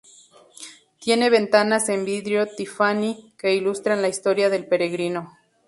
Tiene ventanas en vidrio Tiffany que ilustran la historia del peregrino.